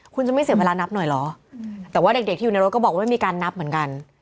คุณจะไม่เสียเวลานับหน่อยเหรอแต่ว่าเด็กที่อยู่ในรถก็บอกว่าไม่มีการนับเหมือนกัน